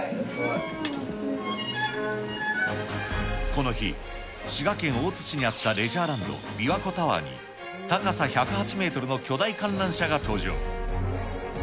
この日、滋賀県大津市にあったレジャーランド、びわ湖タワーに、高さ１０８メートルの巨大観覧車が登場。